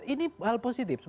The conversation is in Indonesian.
ini hal positif